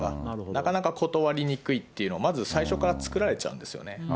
なかなか断りにくいっていうの、まず最初から作られちゃうんですよね。